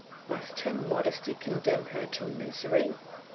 Must her modesty condemn her to misery?